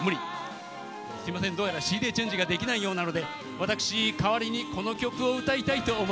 すいませんどうやらＣＤチェンジができないようなので私代わりにこの曲を歌いたいと思います。